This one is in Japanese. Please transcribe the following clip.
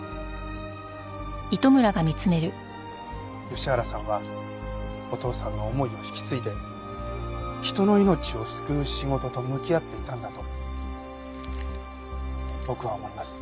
吉原さんはお父さんの思いも引き継いで人の命を救う仕事と向き合っていたんだと僕は思います。